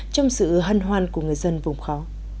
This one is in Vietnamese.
trong sự hân hoan của người dân vùng khó